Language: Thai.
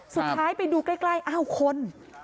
สุดท้ายไปดูใกล้อ้าวคน